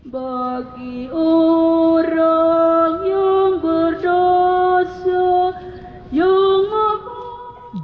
bagi orang yang berdosa yang menghormati tuhan